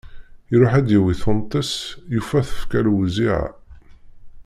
Iruḥ ad d-yawi tunt-is, yufa tekfa lewziεa.